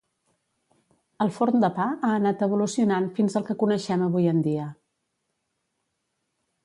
El forn de pa ha anat evolucionant fins al que coneixem avui en dia.